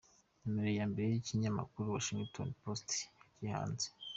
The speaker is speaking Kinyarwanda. Numero ya mbere y’ikinyamakuru Washington Post yagiye hanze.